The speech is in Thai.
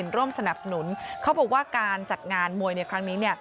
ร่วมสนับสนุนเขาบอกว่าการจัดงานมวยในครั้งนี้